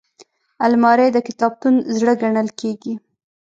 الماري د کتابتون زړه ګڼل کېږي